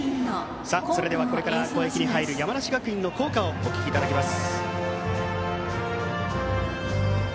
それではこれから攻撃に入る山梨学院の校歌をお聴きいただきます。